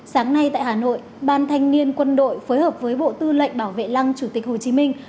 sáng nay tại hà nội ban thanh niên quân đội phối hợp với bộ tư lệnh bảo vệ lăng chủ tịch hồ chí minh